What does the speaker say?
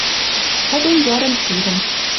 Коден йӓрӹн сирӹм.